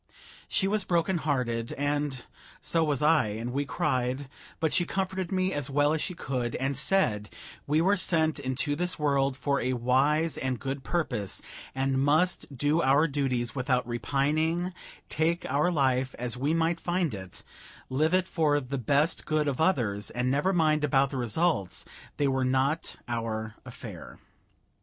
She was broken hearted, and so was I, and we cried; but she comforted me as well as she could, and said we were sent into this world for a wise and good purpose, and must do our duties without repining, take our life as we might find it, live it for the best good of others, and never mind about the results; they were not our affair.